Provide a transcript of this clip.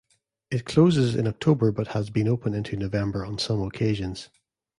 It closes in October but has been open into November on some occasions.